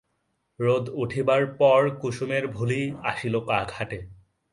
রোদ উঠিবার পর কুসুমের ভুলি আসিল ঘাটে।